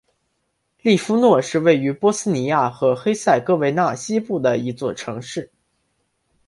利夫诺是位于波斯尼亚和黑塞哥维纳西部的一座城市。